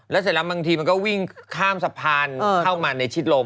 เสร็จแล้วบางทีมันก็วิ่งข้ามสะพานเข้ามาในชิดลม